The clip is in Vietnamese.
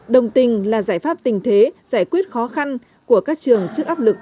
đồng tình là giải pháp tình thế giải quyết khó khăn của các trường trước áp lực